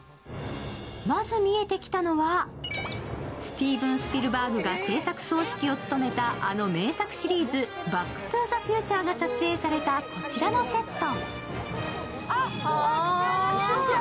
まず見えてきたのは、スティーブン・スピルバーグが製作・総指揮を務めたあの名作シリーズ「バック・トゥ・ザ・フューチャー」が撮影されたこちらのセット。